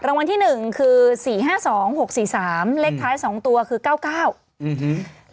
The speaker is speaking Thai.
รางวัลที่หนึ่งคือสี่ห้าสองหกสี่สามเลขท้ายสองตัวคือเก้าเก้าอื้อหือ